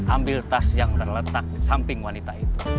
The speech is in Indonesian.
ambil tas yang terletak di samping wanita itu